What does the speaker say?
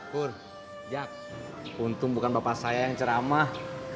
kur jak untung bukan bapak saya yang ceramah